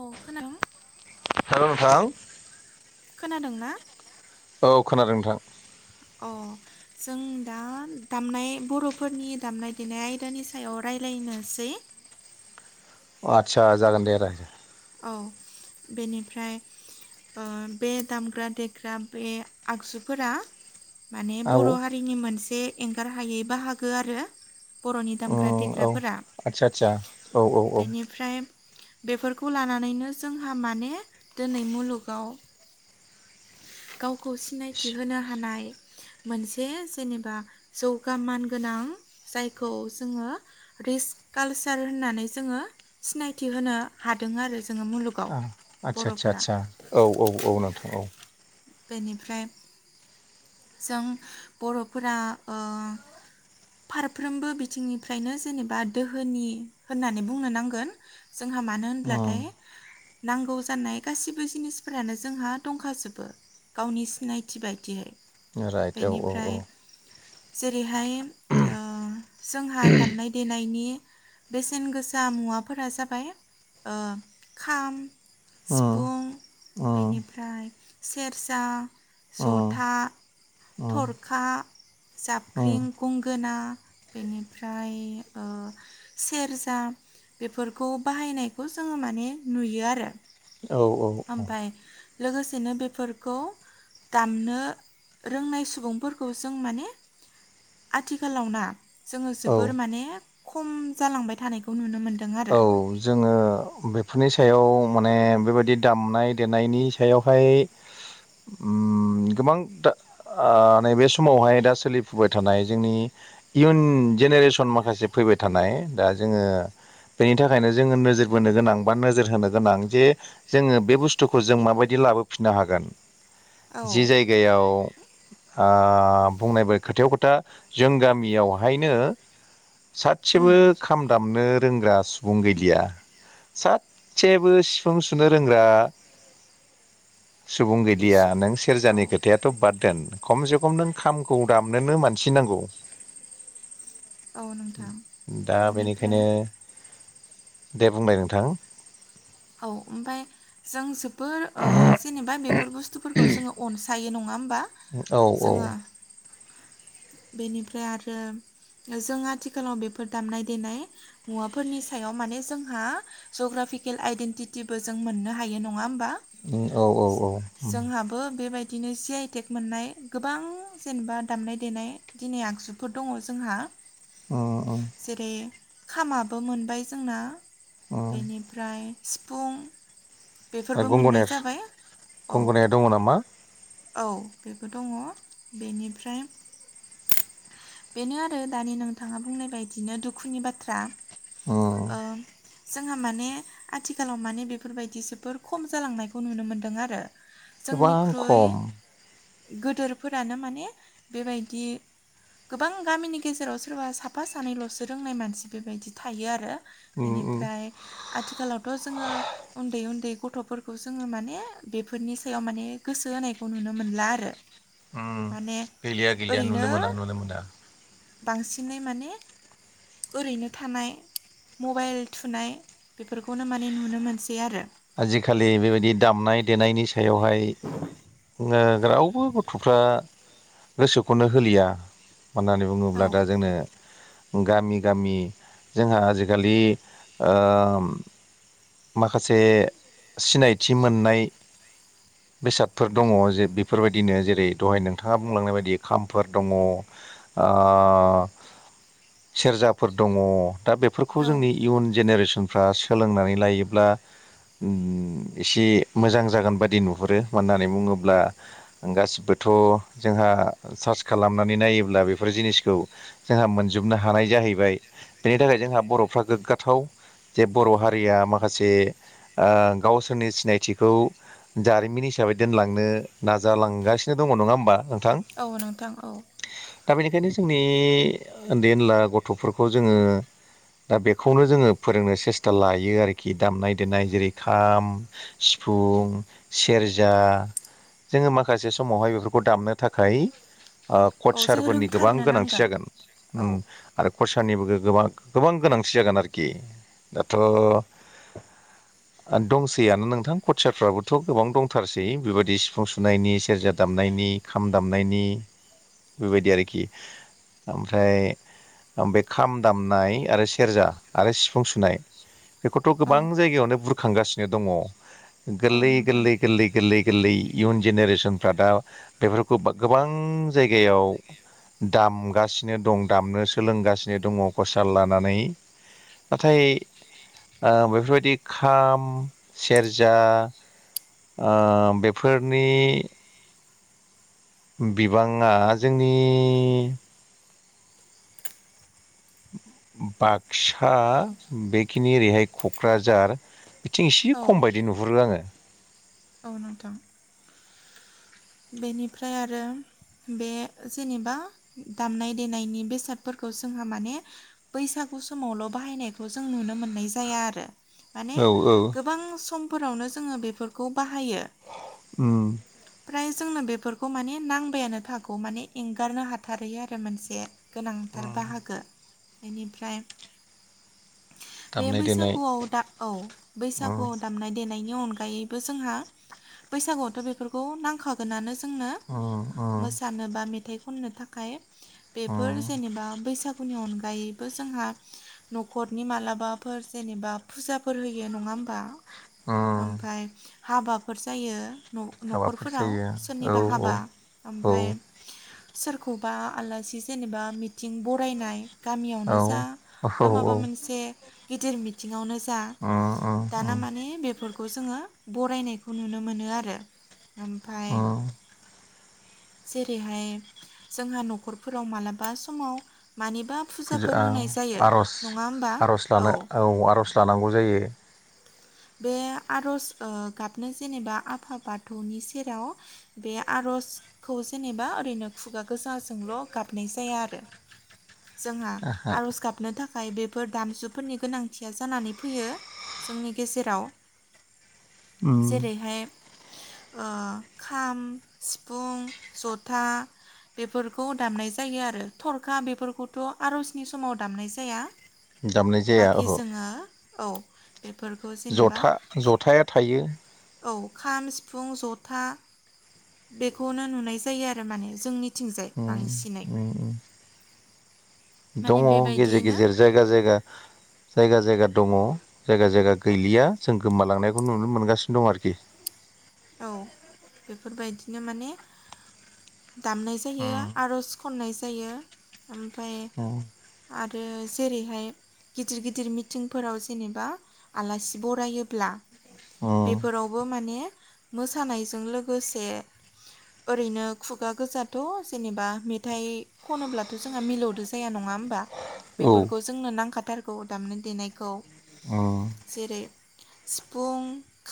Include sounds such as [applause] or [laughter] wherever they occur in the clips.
औ खोना [inaudible] ना? हेल' नोंथां खोनादों ना? औ खोनादों नोंथां। अ जों दा दामनाय बर'फोरनि दामनाय देनाय आयदानि सायाव राय रायलायनोसै अ आदसा जागोन दे राय। औ, बेनिफ्राय ओ बे दामग्रा देग्रा बे आगजुफोरा माने औ बर' हारिनि मोनसे एंगार हायै बाहागो आरो बर'नि दामग्रा ग्रा उम औ देग्राफोरा। आदसा आदसा औ औ औ बेनिफ्राय बेफोरखौ खौ लानानैनो जोंहा माने दोनै मुलुगाव गावखौ सिनायथि होनो हानाय मोनसे जेनेबा जौगा मान गोनां जायखौ जोङो रिस कालचार होननानै जोङो सिनायथि होनो हादों आरो जोङो मुलुगाव आदसा आदसा बर'फोरा। आदसा औ औ औ नोंथां औ बेनिफ्राय जों बर'फोरा ओ फारफ्रोमबो बिथिंनिफ्रायनो जेनेबा दोहोनि होननानै बुंनो नांगोन। जों हा मानो होनब्लाथाय उम नांगौ जानाय गाासैबो जिनिसफोरानो जोंहा दंखाजोबो। गावनि सिनायथि बायदियै। राइट औ औ बेनिफ्राय औ। जेरैहाय ओ जोंहा दामनाय देनायनि बेसेन गोसा मुवाफोरा जाबाय ओ खाम, उम सिफुं, उम बेनिफ्राय सेरजा, उम ज'था उम थरखा, उम जाबख्रिं, गंगोना बेनिफ्राय ओ सेरजा बेफोरखौ बाहायनायखौ जोङो माने नुयो आरो। औ औ औ। ओमफाय लोगोसेनो बेफोरखौ दामनो रोंनाय सुबुंफोरखौ जों माने आथिखालाव ना जोङो औ जोबोर माने खम जालांबाय थानायखौ नुनो मोन औ जोङो बेफोरनि सायाव माने बेबायदि दामनाय देनायनि सायावहाय उम गोबां दा ओ नैबे समावहाय दा सोलिफुबाय थानाय जोंनि इयुन जेनेरेसन माखासे फैबाय थानाय दा जोङो बेनि थाखायनो जोङो नोजोर बोनो गोनां बा नोजोर होनो गोनां जे जोङो बे बुस्थुखौ जों माबायदि लाबो बो फिननो हागोन। औ जि जायगायाव ओ बुंनायबाय खोथायाव खोथा जों गामियावहायनो उम साथसेबो खाम दामनो रोंग्रा सुबुं गैलिया। सास्सेबो सिफुं सुनो रोंग्रा [inaudible] सुबुं स गैलिया नों औ सेरजानि खोथायाथ' बाद दोन। खमसे खम नों खामखौ दामनोनो मानसि नांगौ। [inaudible] नोंथां दा बेनिफ्राय बेनिखायनो दे बुंनाय नोंथां? औ ओमफाय जों जोबोर ओ जेनेबा बेफोर बुस्थुफोरखौ जोङो अनस सायो नङा होम उम औ औ। बेनिफ्राय आरो जों आथिखालाव बेफोर दामनाय देनाय मुवाफोरनि सायाव माने जोंहा जग्राफिकेल आइडेन्टिटिबो जों मोननो हायो नङा होमबा? उम औ औ औ जोंहाबो बेबाय दिनो जि आइ टेक मोननाय गोबां जेनेबा दामनाय देनाय दिनै आगजुफोर दङ जोंहा। जेरै खामाबो मोनबाय जोंना बेनिफ्राय सिफुं ओ बेफोरबो मोननाय गंग'नेस जाबाय औ गंग'नाया दङ नामा? औ बेबो दङ बेनिफ्राय बेनो आरो दानि नोंथाङा बुंनाय बायदिनो दुखुनि बाथ्रा। उम ओ जोंहा माने आथिखालाव माने बेफोरबायदि जो बोर खम जालांनायखौ नुनो मोन्दों आरो। गोबां जोंनिख्रुइ खम। गोदोरफोरानो माने बेबायदि गोबां गामिनि गेजेराव सोरबा साफा सानैल'सो रोंनाय मानसि बेबायदि थायो आरो। उम उम बेनिफ्राय आथिखालावथ' जोङो उन्दै उन्दै गथ'फोरखौ जोङो माने बेफोरनि सायाव माने गोसो होनायखौ नुनो मोनला आरो। उम माने गैलिया गैलिया ओरैनो नुनो मोना नुनो मोना। बांसिनै माने ओरैनो थानाय मबाइल थुनाय बेफोरखौनो माने नुनो मोनसै आरो। आजिखालि बेबायदि दामनाय देनायनि सायावहाय ओ रावबो गथ'फ्रा गोसोखौनो होलिया। अननानै औ बुङोब्ला दा जोंनो गामि गामि जोंहा आजिखालि ओम माखासे सिनायथि मोननाय बेसादफोर दङ। जे बेफोरबायदिनो जेरै दहाय नोंथाङा बुंलांनाय बायदि खामफोर दङ। ओ--सेरजाफोर दङ। दा बेफोरखौ औ जोंनि इयुन जेनेरेसनफ्रा सोलोंनानै लायोब्ला एसे मोजां जागोन बादि नुहुरो मानो होननानै बुङोब्ला गासिबो थ' जोंहा सार्च खालामनानै नायोब्ला बेफोर जिनिसखौ जोंहा मोनजोबनो हानाय जायो। जाहैबाय बेनि थाखाय जोंहा बर'फ्रा गोग्गाथाव जे बर' हारिया माखासे गावसोरनि सिनायथिखौ जारिमिन हिसाबै दोनलांनो नाजालांगासिनो दङ नङा होमबा? नोंथां औ नोंथां औ दा बेनिखायनो जोंनि उन्दै उनला गथ'फोरखौ जोङो दा बेखौनो जोङो फोरोंनो सेस्था लायो आरोखि खि दामनाय देनाय जेरै खाम, सिफुं, सेरजा जोङो माखासे समावहाय बेफोरखौ दामनो थाखाय औ कच जों सारफोरनि गोबां रोंथारनो गोनांथि नांगोन जागोन औ आरो क सनिबो गोबां गोनांथि जागोन आरोखि दाथ' [inaudible] दंसैयानो नोंथां कचारफ्राबोथ' गोबां दंथारसै बेबायदि सिफुं सुनायनि सेरजा दा मनायनि खाम दामनायनि बेबायदि आरोखि ओमफ्राय ओम बे खाम दामनाय आरो सेरजा आरो सिफुं सुनाय बेखौथ' औ गोबां जायगायावनो बुरखांगासिनो दङ औ गोरलै नोंथां गोरलै गोरलै गोरलै गोरलै इयुन जेनेरेसनफ्रा दा बेफोरखौ गोबां जायगायाव दामगासिनो दं दामनो सोलोंगासिनो दङ कसाल लानानै। नाथाय बेफोरबायदि खाम, सेरजा ओ बेफोरनि बिबाङा जोंनि बाक्सा बेखिनि ओरैहाय क'क्राझार बिथिं इसे औ खम बायदि नुहरो आङो। औ नोंथां। बेनिफ्राय आरो बे जेनेबा दामनाय देनायनि बेसादफोरखौ जोंहा माने बैसागु समावल' बाहायनायखौ जों नुनो मोननाय जाया आरो। माने औ औ गोबां समफोरावनो जोङो बेफोरखौ बाहायो। ओम फ्राय जोंनो बेफोरखौ माने नांबायानो थागौ माने एंगारनो हाथारै आरो मोनसे। गोनांथार बाहागो बेनिफ्राय बे दामनाय देनाय बैसागुआव दा औ उम बैसागुआव दामनाय देनायनि अनगायैबो जोंहा बैसागुआवथ' बे नांखागोनानो ज जोंनो उम उम मोसानो बा मेथाइ खननो थाखाय बेफोर उम जेनेबा बैसागु नि अनगायैबो जोंहा न'खरनि मालाबाफोर जेनेबा फुजाफोर होयो नङा होमबा? उम ओमफ्राय हाबाफोर जायो न'खर हाबाफोर जायो औ सोरनिबा हाबा ओमफ्राय सोरखौबा आलासि जेनेबा मिथिं बरायनाय औ गामियावनो जा बा माबा उम मोनसे गिदिर मिथिङावनो जा उम दाना उम माने बेफोरखौ खौ जोङो बरायनायखौ नुनो मोनो आरो ओमफ्राय उम जेरैहाय जोंहा न'खरफोराव मालाबा समाव मानिबा फुजा फुजाफोर होनाय जायो आर'ज नङा होमबा आर'ज लानो औ आर'ज लानांगौ जायो बे आर'ज गाबनो जेनेबा आफा बाथौनि सेराव बे आर'ज खौ जेनेबा ओरैनो खुगा गोजाजोंल' गाबनाय जाया आरो। जोंहा आर'ज गाबनो थाखाय बेफोर दामजुफोरनि गोनांथिया जानानै फैयो जोंनि गेजेराव। उम जेरैहाय ओ खाम सिफुं जथा बेफोरखौ दामनाय जायो आरो थरखा बेफोरखौथ' आर'जनि समाव दामनाय जाया। दामनाय जाया बाखि ओहो। जोङो औ बे। जथा जथाया थायो। औ खाम सिफुं जथा बेखौनो नुनाय जायो आरो माने जोंनिथिंजाय उम बांसिनै। उम उम माने दङ गेजेर बेबायदियैनो गेजेर जायगा जायगा जायगा जायगा दङ। जायगा जायगा गैलिया जों गोमालांनायखौ नुनो मोनगासिनो दं आरोखि। औ बेफोरबायदिनो माने दामनाय जायो आर'ज खन्नाय जायो ओमफ्राय उम आथ रो जेरैहाय गिदिर गिदिर मिथिंफोराव जेनेबा आलासि बरायोब्ला बेफोरावबो माने मोसानायजों लोगोसे ओरैनो खुगा गोजाथ' जेनेबा मेथाइ खनोब्लाथ' जोंहा मिलौदो जाया नङा होम बा उम बेफोरखौ जोंनो नांखाथारगौ दामनाय देनायखौ। अ। जेरै सिफुं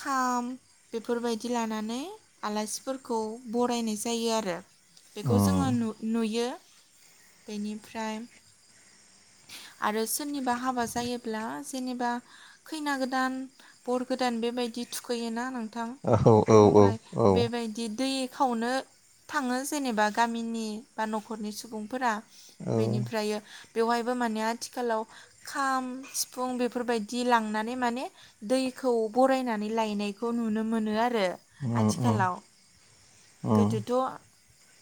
खाम बेफोरबाय दि लानानै आलासिफोरखौ बरायनाय जायो आरो। बेखौ जोङो उम नुयो बेनिफ्राय आरो सोरनिबा हाबा जायोब्ला जेनेबा खैना गोदान बर गोदान बेबाय दि थुखैयोना नोंथां औ औ ओमफ्राय औ बेबायदि दै खावनो थाङो जेनेबा गामिनि बा न'खरनि सुबुंफोरा। औ बेनिफ्रायो बेवहायबो माने आथिखालाव खाम सिफुं बेफोरबायदि लांनानै माने दै खौ बरायनानै लायनायखौ नुनो मोनो आ रो उम आथिखालाव। उम गोदोथ'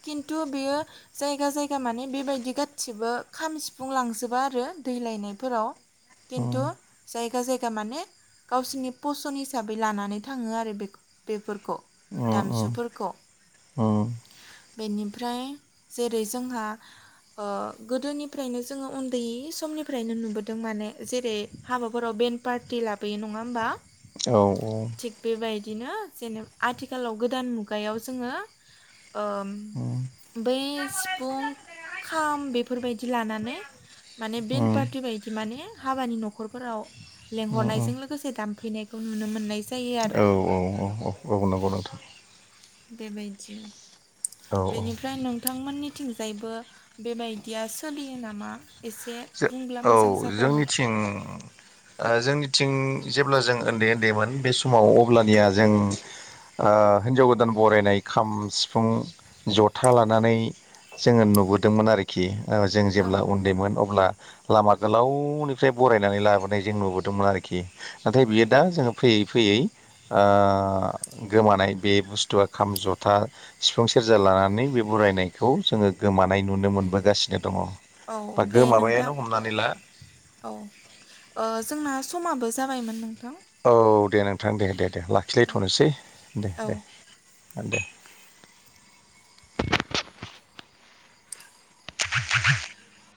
खिन्थु बेयो जायगा जायगा माने बेबायदि गादसिबो खाम सिफुं लांजोबा आरो। दै लायफोराव उम खिन्थु जायगा जाय गा माने गावसोरनि फसन हिसाबै लानानै थाङो आरो बेखौ बेफोर खौ उम उम उम दामजुफोरखौ। बेनिफ्राय जेरै जोंहा ओ गोदोनिफ्रायनो जोङो उन्दै समनिफ्रायनो नुबोदों माने जेरै हाबाफोराव बे बेन पार्टि लाबोयो नङा होमबा? औ औ। दिनो जेनेब आथिखालाव गोदान मुगायाव जोङो ओ उम उम बै सिफुं खाम बे फोरबायदि लानानै माने बेन उम पार्टि बायदि माने हाबानि न'खरफोराव औ लेंहरनायजों लोगोसे दामफैनायखौ नुनो मोननाय। जायो औ आरो औ औ औ औ नंगौ नोंथां। बेबायदिनो औ बेनिफ्राय नोंथांमोननि थिंजायबो बेबायदिया सोलियो नामा? एसे जे बुंब्ला औ मोजां जागौमोन जोंनिथिं ओ जोंनि थिं जेब्ला जों उन्दै उन्दैमोन बे समाव अब्लानिया जों ओ हिनजाव गोदान बरायनाय खाम सिफुं जथा लानानै जोङो नुबोदोंमोन आरोखि ओ जों औ जेब्ला उन्दैमोन अ ब्ला लामा गोलावनिफ्राय बरायनानै लाबोनाय जों नुबोदोंमोन आरोखि नाथाय बियो दा जोङो फैयै फैयै ओ गोमानाय बे बुस्थुआ खाम जथा सिफुं सेरजा लानानै बे बु बरायनायखौ जोङो गोमानाय नुनो मोनबोगासिनो दङ। औ बा दे नोंथां गोमाबायानो हमनानै ला औ जोंना समाबो। जाबायमोन नोंथां। औ दे नोंथां दे दे दे दे लाखिलायथ'नोसै दे दे। औ दे दे। [inaudible]